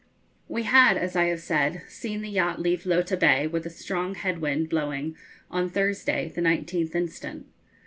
We had, as I have said, seen the yacht leave Lota Bay, with a strong head wind blowing, on Thursday, the 19th instant.